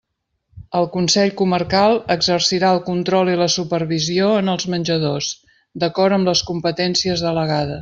El Consell Comarcal exercirà el control i la supervisió en els menjadors, d'acord amb les competències delegades.